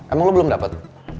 emang lo belum dapet